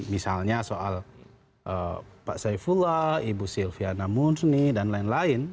misalnya soal pak saifullah ibu silviana munsni dan lain lain